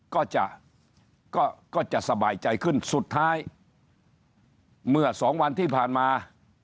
ก็จะก็จะสบายใจขึ้นสุดท้ายเมื่อสองวันที่ผ่านมา